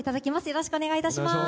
よろしくお願いします。